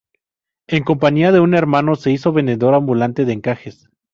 En compañía de un hermano se hizo vendedor ambulante de encajes.